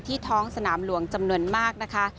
ท้องสนามหลวงจำนวนมากนะคะ